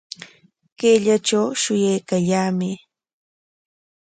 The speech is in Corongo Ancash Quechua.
Kayllatraw shuyaykallaamay